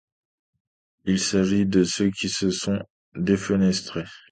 Il s'agit de ceux qui se sont défenestrés.